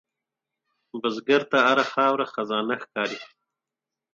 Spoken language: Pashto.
بزګر ته هره خاوره خزانه ښکاري